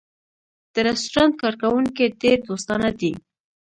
د رستورانت کارکوونکی ډېر دوستانه دی.